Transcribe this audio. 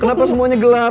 kenapa semuanya gelap